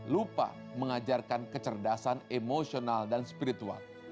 lupa mengajarkan kecerdasan emosional dan spiritual